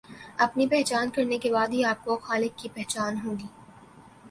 اپنی پہچان کرنے کے بعد ہی آپ کو خالق کی پہچان ہوگی۔